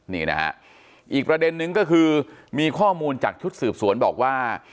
นี่นะฮะอีกประเด็นนึงก็คือมีข้อมูลจากชุดสืบสวนบอกว่า